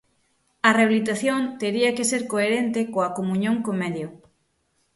A rehabilitación tería que ser coherente coa comuñón co medio.